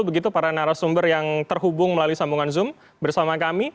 begitu para narasumber yang terhubung melalui sambungan zoom bersama kami